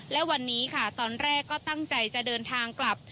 และวันนี้ค่ะตอนแรกก็ตั้งใจจะเดินทางกลับ